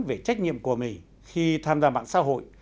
về trách nhiệm của mình khi tham gia mạng xã hội